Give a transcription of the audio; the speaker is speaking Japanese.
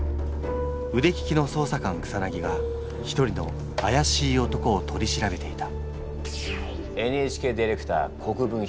うでききの捜査官草が一人のあやしい男を取り調べていたＮＨＫディレクター国分拓。